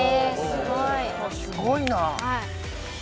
すごいな。